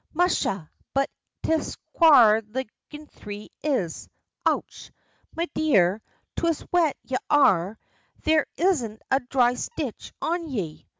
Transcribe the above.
Musha! but 'tis quare the ginthry is! Och! me dear, 'tis wet y'are; there isn't a dhry stitch on ye."